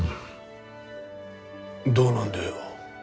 どうなんだよ。